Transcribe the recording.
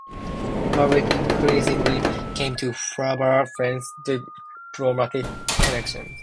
Warwick increasingly came to favour French diplomatic connections.